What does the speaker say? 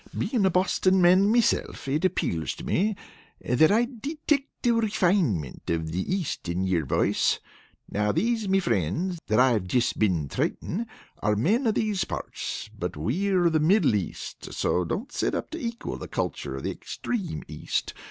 Bein' a Boston man meself, it appeals to me, that I detict the refinemint of the East in yer voice. Now these, me frinds, that I've just been tratin', are men of these parts; but we of the middle East don't set up to equal the culture of the extreme East.